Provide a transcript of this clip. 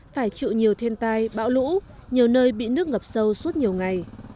phải chịu nhiều thiên tai bão lũ nhiều nơi bị nước ngập sâu suốt nhiều ngày